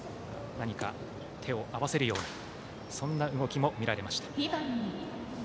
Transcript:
何か手を合わせるような動きも見えました。